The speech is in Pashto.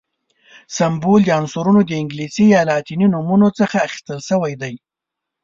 سمبول د عنصرونو د انګلیسي یا لاتیني نومونو څخه اخیستل شوی دی.